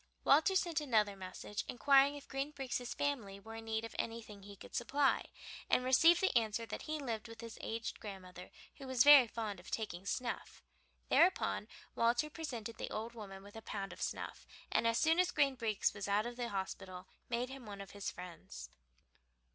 Walter sent another message, inquiring if Green Breeks' family were in need of anything he could supply, and received the answer that he lived with his aged grandmother who was very fond of taking snuff. Thereupon Walter presented the old woman with a pound of snuff, and as soon as Green Breeks was out of the hospital made him one of his friends.